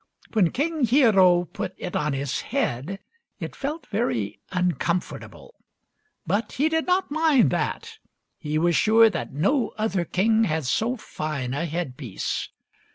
When King Hiero put it on his head it felt very uncomfortable, but he did not mind that — he was sure that no other king had so fine a headpiece.